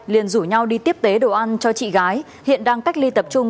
liền rủ nhau đi tiếp tế đồ ăn cho chị gái hiện đang cách ly tập trung